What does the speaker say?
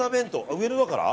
上野だから？